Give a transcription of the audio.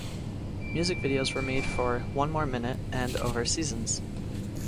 Music videos were made for "One More Minute" and "Over Seasons".